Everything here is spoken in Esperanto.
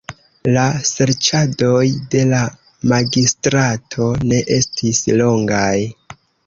La serĉadoj de la magistrato ne estis longaj.